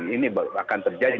ini akan terjadi